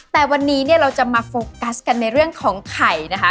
แต่วันนี้เนี่ยเราจะมาโฟกัสกันในเรื่องของไข่นะคะ